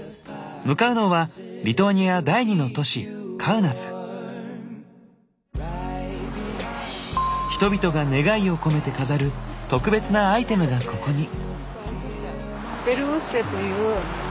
向かうのはリトアニア第２の都市人々が願いをこめて飾る特別なアイテムがここに。